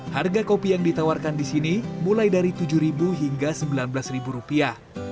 harga kopi yang ditawarkan di sini mulai dari tujuh hingga sembilan belas rupiah